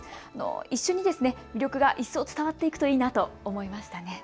一緒に魅力が一層伝わっていくといいなと思いました。